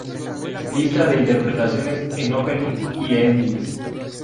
Lista de interpretaciones en openings y endings.